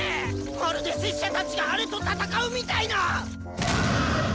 まるで拙者たちがアレと戦うみたいな！